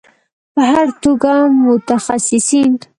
په هر توګه متخصصین